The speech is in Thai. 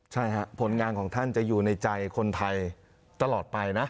ใช่ฮะผลงานของท่านจะอยู่ในใจคนไทยตลอดไปนะ